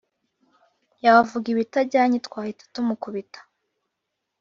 yavuga ibitajyanye twahita tumukubita